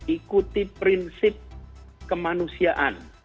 ikuti prinsip kemanusiaan